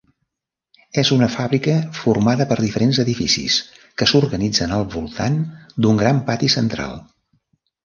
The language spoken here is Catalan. És una fàbrica formada per diferents edificis que s'organitzen al voltant d'un gran pati central.